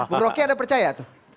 bu rocky anda percaya tuh